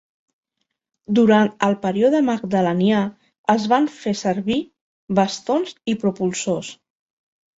Durant el període magdalenià es van fer servir bastons i propulsors.